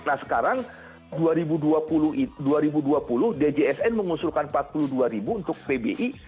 nah sekarang dua ribu dua puluh djsn mengusulkan rp empat puluh dua untuk pbi